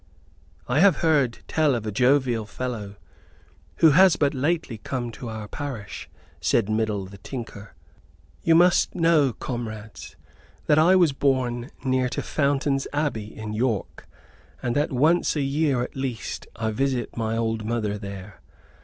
"I have heard tell of a jovial fellow who has but lately come to our parish," said Middle the Tinker. "You must know, comrades, that I was born near to Fountain's Abbey, in York, and that once a year at least I visit my old mother there.